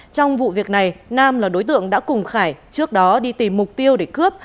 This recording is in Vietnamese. trong vụ việc này nam là đối tượng đã cùng khải trước đó đi tìm mục tiêu để cướp